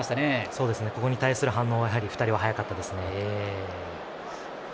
そこに対する反応が２人、速かったですね。